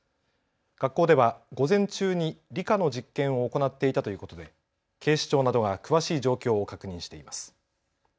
学校では午前中に理科の実験を行っていたということで警視庁などが詳しい状況を確認しています。